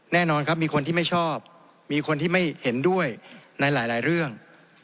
แน่นอนครับมีคนที่ไม่ชอบมีคนที่ไม่เห็นด้วยในหลายเรื่อง